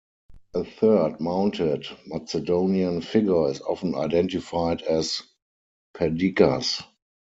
A third mounted Macedonian figure is often identified as Perdiccas.